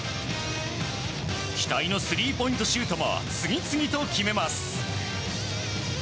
期待のスリーポイントシュートも次々と決めます。